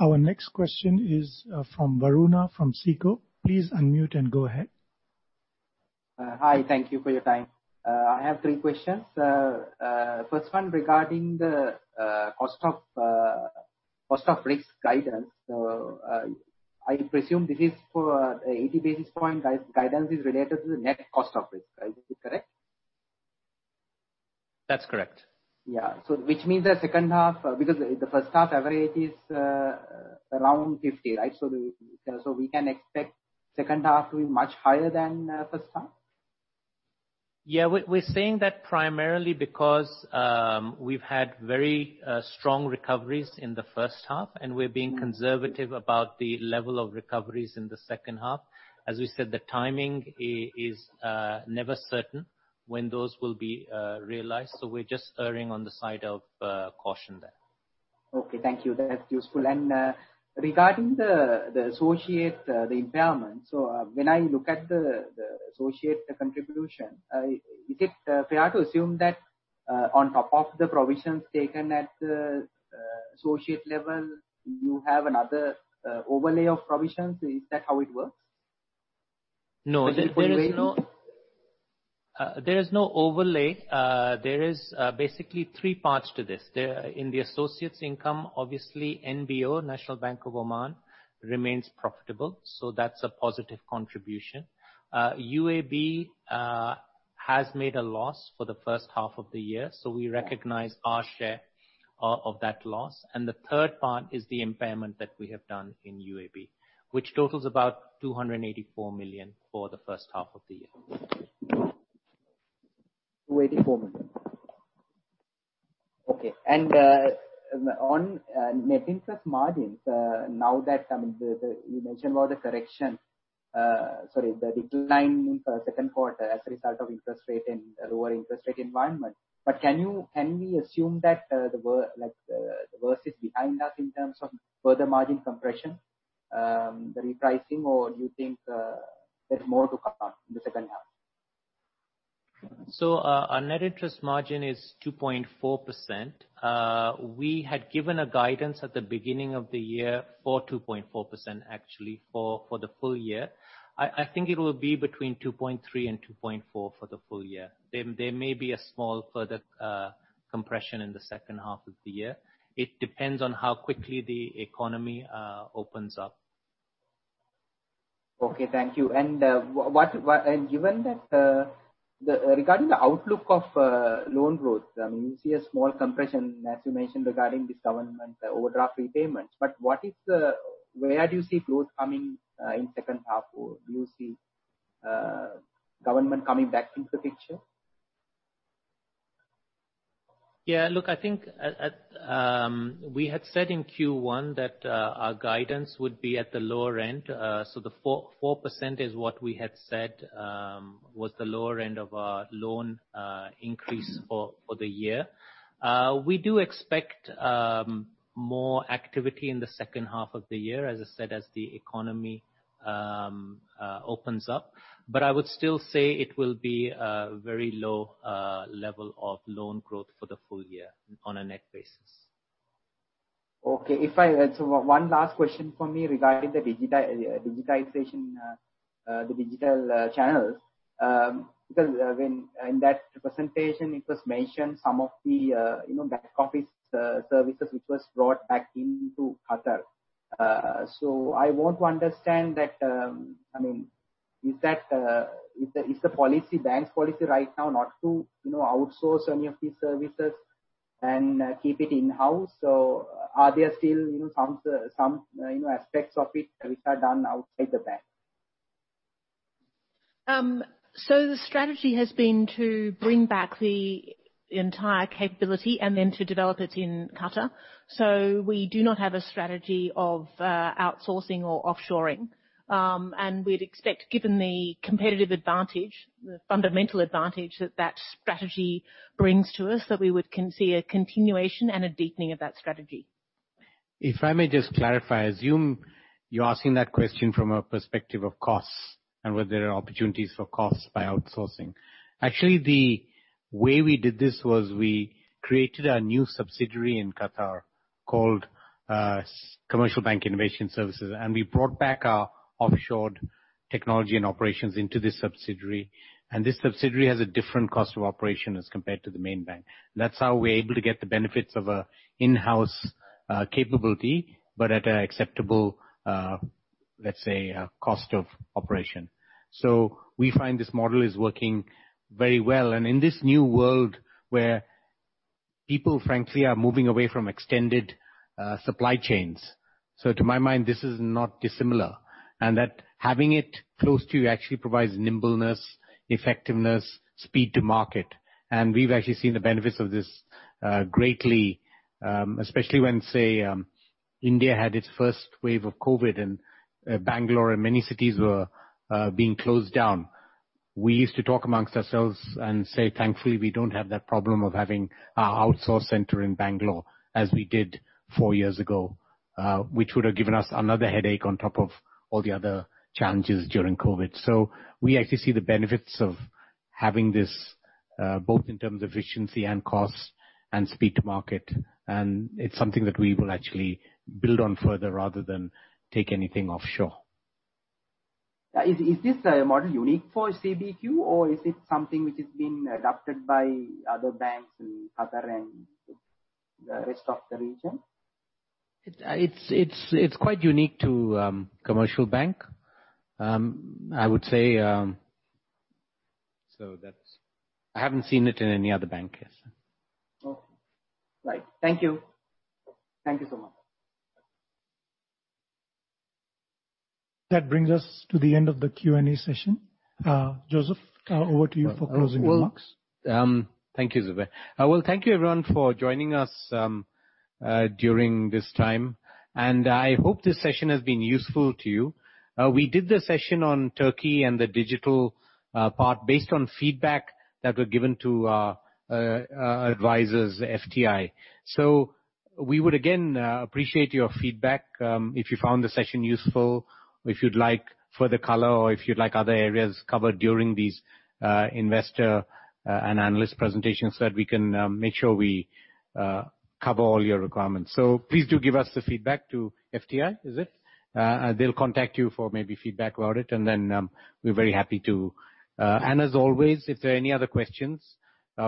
Our next question is from Varuna from SICO. Please unmute and go ahead. Hi. Thank you for your time. I have three questions. First one regarding the cost of risk guidance. I presume this is for 80 basis points guidance is related to the net cost of risk, is it correct? That's correct. Yeah. Which means the second half, because the first half average is around 50, right? We can expect second half to be much higher than first half? Yeah. We're saying that primarily because we've had very strong recoveries in the first half, and we're being conservative about the level of recoveries in the second half. As we said, the timing is never certain when those will be realized. We're just erring on the side of caution there. Okay. Thank you. That's useful. Regarding the associate, the impairment. When I look at the associate contribution, is it fair to assume that on top of the provisions taken at associate level, you have another overlay of provisions? Is that how it works? No. Is it the way- There is no overlay. There is basically three parts to this. In the associates income, obviously NBO, National Bank of Oman, remains profitable, so that's a positive contribution. UAB has made a loss for the first half of the year, so we recognize our share of that loss. The third part is the impairment that we have done in UAB, which totals about 284 million for the first half of the year. 284 million. Okay. On net interest margins, now that you mentioned about the correction, sorry, the decline in second quarter as a result of interest rate and lower interest rate environment. Can we assume that the worst is behind us in terms of further margin compression, the repricing, or do you think there's more to come out in the second half? Our net interest margin is 2.4%. We had given a guidance at the beginning of the year for 2.4% actually for the full year. I think it will be between 2.3% and 2.4% for the full year. There may be a small further compression in the second half of the year. It depends on how quickly the economy opens up. Okay. Thank you. Given that regarding the outlook of loan growth, you see a small compression, as you mentioned, regarding this government overdraft repayments. Where do you see growth coming in second half? Do you see government coming back into picture? look, I think we had said in Q1 that our guidance would be at the lower end. The 4% is what we had said was the lower end of our loan increase for the year. We do expect more activity in the second half of the year, as I said, as the economy opens up. I would still say it will be a very low level of loan growth for the full year on a net basis. Okay. One last question from me regarding the digitization, the digital channels, because in that presentation it was mentioned some of the back office services which was brought back into Qatar. I want to understand that, is the bank's policy right now not to outsource any of these services and keep it in-house? Are there still some aspects of it which are done outside the bank? The strategy has been to bring back the entire capability and then to develop it in Qatar. We do not have a strategy of outsourcing or offshoring. We'd expect, given the competitive advantage, the fundamental advantage that that strategy brings to us, that we would see a continuation and a deepening of that strategy. If I may just clarify, I assume you're asking that question from a perspective of costs and whether there are opportunities for costs by outsourcing. Actually, the way we did this was we created a new subsidiary in Qatar called Commercial Bank Innovation Services, we brought back our offshored technology and operations into this subsidiary. This subsidiary has a different cost of operation as compared to the main bank. That's how we're able to get the benefits of an in-house capability, but at an acceptable, let's say, cost of operation. We find this model is working very well. In this new world where people, frankly, are moving away from extended supply chains. To my mind, this is not dissimilar, and that having it close to you actually provides nimbleness, effectiveness, speed to market. We've actually seen the benefits of this greatly, especially when, say, India had its first wave of COVID and Bangalore and many cities were being closed down. We used to talk amongst ourselves and say, "Thankfully, we don't have that problem of having our outsource center in Bangalore as we did four years ago," which would have given us another headache on top of all the other challenges during COVID. We actually see the benefits of having this, both in terms of efficiency and costs and speed to market, and it's something that we will actually build on further rather than take anything offshore. Is this model unique for CBQ or is it something which is being adopted by other banks in Qatar and the rest of the region? It's quite unique to Commercial Bank, I would say. I haven't seen it in any other bank, yes. Okay. Right. Thank you. Thank you so much. That brings us to the end of the Q&A session. Joseph, over to you for closing remarks. Thank you, Zubair. Well, thank you everyone for joining us during this time, and I hope this session has been useful to you. We did the session on Turkey and the digital part based on feedback that was given to our advisors, FTI. We would again appreciate your feedback if you found the session useful, or if you'd like further color or if you'd like other areas covered during these investor and analyst presentations so that we can make sure we cover all your requirements. Please do give us the feedback to FTI. Is it? They'll contact you for maybe feedback about it, and then we're very happy to. As always, if there are any other questions,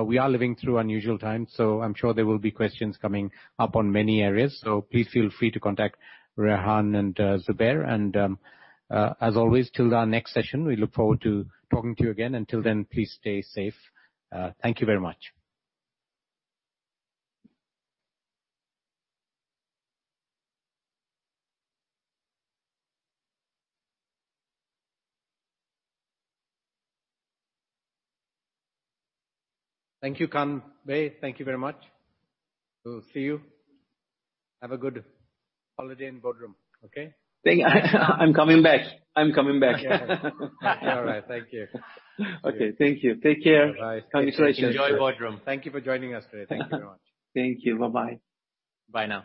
we are living through unusual times, so I'm sure there will be questions coming up on many areas. Please feel free to contact Rehan and Zubair, and as always, till our next session, we look forward to talking to you again. Until then, please stay safe. Thank you very much. Thank you, Kaan. Thank you very much. We'll see you. Have a good holiday in Bodrum. Okay? I'm coming back. I'm coming back. Okay. All right. Thank you. Okay. Thank you. Take care. Bye-bye. Congratulations. Enjoy Bodrum. Thank you for joining us today. Thank you very much. Thank you. Bye-bye. Bye now.